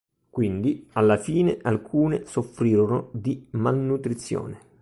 Quindi, alla fine alcune soffrirono di malnutrizione.